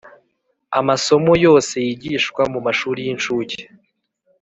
amasomo yose yigishwa mu mashuri y incuke